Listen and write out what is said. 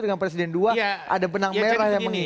dengan presiden dua ada benang merah yang mengikat